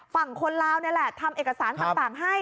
ฝั่งคนลาวนี่แหละทำเอกสารต่างให้